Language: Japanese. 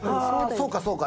そうかそうか。